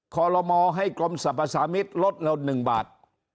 คอลโลมอให้กรมสรรพสามิตรลดละ๑บาท